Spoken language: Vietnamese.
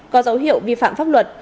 có dấu hiệu vi phạm pháp luật